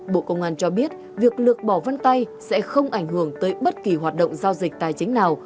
bộ công an cho biết việc lược bỏ vân tay sẽ không ảnh hưởng tới bất kỳ hoạt động giao dịch tài chính nào